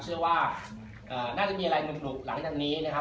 เชื่อว่าเอ่อน่าจะมีอะไรมึงหลุบหลังจากนี้นะครับ